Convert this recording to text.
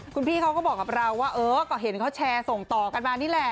คุณพี่เขาก็บอกกับเราว่าเออก็เห็นเขาแชร์ส่งต่อกันมานี่แหละ